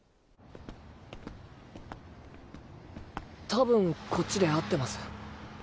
多分こっちで合ってます。